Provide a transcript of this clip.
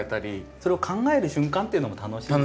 それを考える瞬間っていうのも楽しくて。